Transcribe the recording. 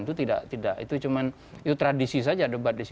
itu tidak itu cuma tradisi saja